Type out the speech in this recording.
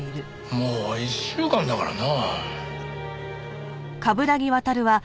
もう１週間だからな。